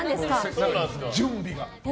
準備が。